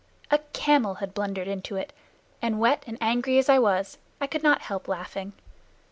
A camel had blundered into it, and wet and angry as I was, I could not help laughing.